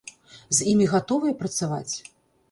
З імі гатовыя працаваць?